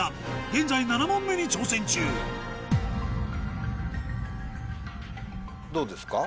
現在７問目に挑戦中どうですか？